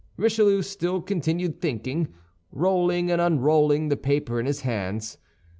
Richelieu still continued thinking, rolling and unrolling the paper in his hands.